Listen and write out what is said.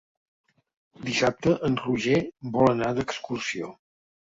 Dissabte en Roger vol anar d'excursió.